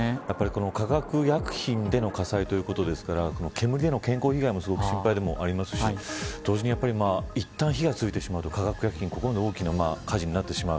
化学薬品での火災ということですから煙での健康被害も心配がありますし同時にいったん火がついてしまうと化学薬品、ここまで大きな火事になってしまう。